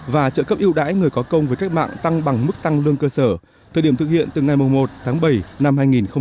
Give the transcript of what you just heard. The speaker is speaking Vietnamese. và trợ cấp yêu đãi người có công với cách mạng tăng bằng mức tăng lương cơ sở thời điểm thực hiện từ ngày một tháng bảy năm hai nghìn một mươi chín